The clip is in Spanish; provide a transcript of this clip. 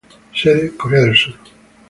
Sede: Corea del Sur.